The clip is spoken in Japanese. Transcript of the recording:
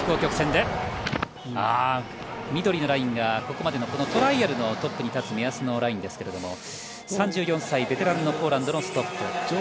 緑のラインがここまでのトライアルのトップに立つ目安のラインですが３４歳、ベテランのポーランドのストッフ。